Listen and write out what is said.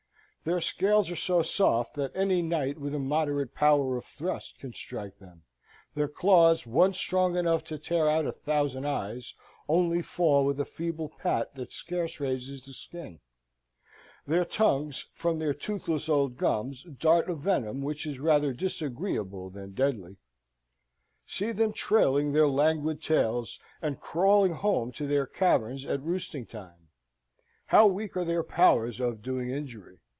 Their scales are so soft that any knight with a moderate power of thrust can strike them: their claws, once strong enough to tear out a thousand eyes, only fall with a feeble pat that scarce raises the skin: their tongues, from their toothless old gums, dart a venom which is rather disagreeable than deadly. See them trailing their languid tails, and crawling home to their caverns at roosting time! How weak are their powers of doing injury!